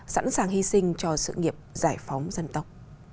sẵn sàng hy sinh cho sự nghiệp giải phóng dân tộc